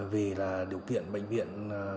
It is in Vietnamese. vì là điều kiện bệnh viện